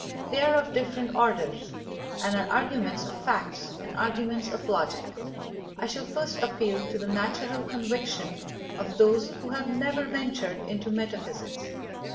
They are of different orders, and are arguments of fact and arguments of logic. I shall first appeal to the natural conviction of those who have never ventured into metaphysics.